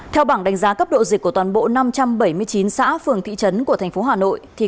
theo bảng đánh giá cấp độ dịch của toàn bộ năm trăm bảy mươi chín xã phường thị trấn của thành phố hà nội